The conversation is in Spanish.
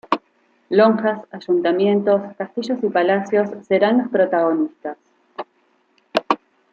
Lonjas, ayuntamientos, castillos y palacios serán los protagonistas.